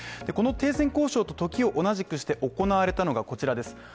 この停戦交渉と時を同じくして行われたのがこちらです。